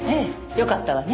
よかったわね。